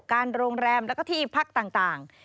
การโรงแรมแล้วก็ที่พักต่าง